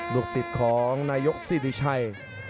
ลูกศิษย์ของนายกศิริชัย